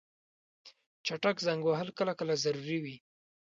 چټک زنګ وهل کله کله ضروري وي.